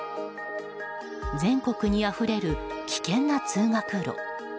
全国にあふれる危険な通学路。